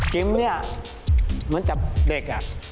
กิ๋มเนี่ยเหมือนจับเด็กเวลา